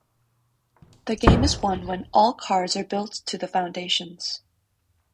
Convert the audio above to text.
The game is won when all cards are built to the foundations.